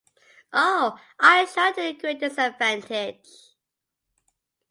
Oh, I assure you to the greatest advantage!